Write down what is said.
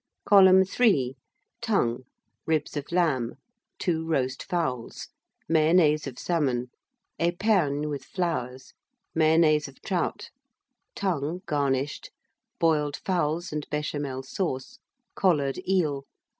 [Column 3] Tongue. Ribs of Lamb. Two Roast Fowls. Mayonnaise of Salmon. Epergne, with Flowers. Mayonnaise of Trout. Tongue, garnished. Boiled Fowls and Béchamel Sauce. Collared Eel.